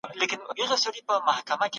کار او کورنۍ باید جلا مدیریت شي.